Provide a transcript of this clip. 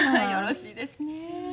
よろしいですね。